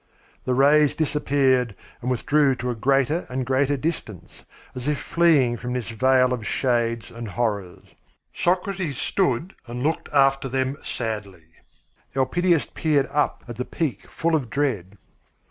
The rays disappeared and withdrew to a greater and greater distance, as if fleeing from this vale of shades and horrors. Socrates stood and looked after them sadly. Elpidias peered up at the peak full of dread.